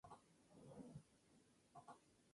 Consecuentemente el Proyecto Huemul fue desmantelado.